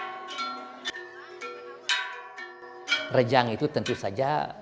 gerakan rejang lemah atau rejang yang dilakukan pada siang hari sama seperti rejang pada malam sebelumnya